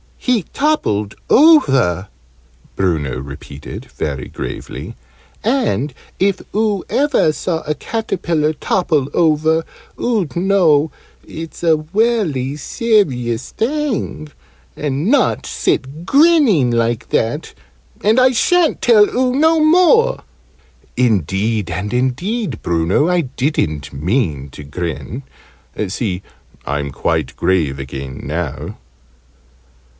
"He toppled over," Bruno repeated, very gravely, "and if oo ever saw a caterpillar topple over, oo'd know it's a welly serious thing, and not sit grinning like that and I sha'n't tell oo no more!" "Indeed and indeed, Bruno, I didn't mean to grin. See, I'm quite grave again now."